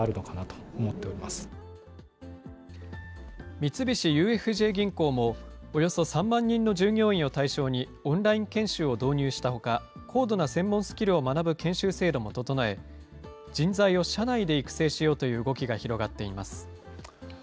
三菱ＵＦＪ銀行も、およそ３万人の従業員を対象に、オンライン研修を導入したほか、高度な専門スキルを学ぶ研修制度も整え、人材を社内で育成しようという動きが広がっています。